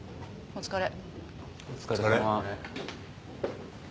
お疲れ。